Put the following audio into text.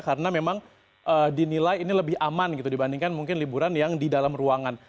karena memang dinilai ini lebih aman dibandingkan mungkin liburan yang di dalam ruangan